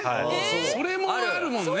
それもあるもんね。